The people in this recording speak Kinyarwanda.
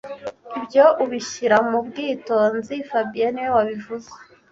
Ibyo ubishyira mu bwitonzi fabien niwe wabivuze